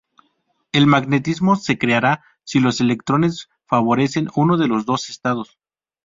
El magnetismo se creará si los electrones favorecen uno de los dos estados.